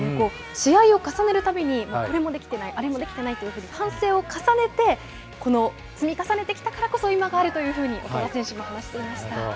試合を重ねるたびに、これもできてない、あれもできてないというふうに反省を重ねて、この積み重ねてきたからこそ今があるというふうに長田選手も話していました。